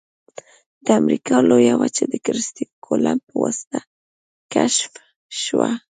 د امریکا لویه وچه د کرستف کولمب په واسطه کشف شوه.